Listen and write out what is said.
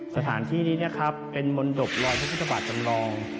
สถานที่นี่เป็นมณฑบรอยพระพุทธศัพท์จำลอง